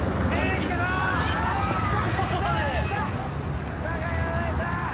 菊田がやられた！